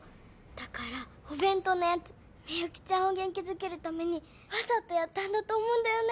だからお弁当のやつみゆきちゃんを元気づけるためにわざとやったんだと思うんだよね